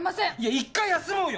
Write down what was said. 一回休もうよ